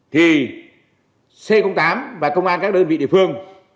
thì c tám và công an các đơn vị địa phương